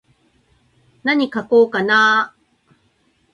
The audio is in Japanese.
なに書こうかなー。